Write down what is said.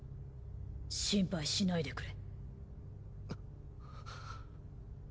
心配しないでくれ。